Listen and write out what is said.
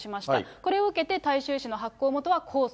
これを受けて、大衆紙の発行元は控訴。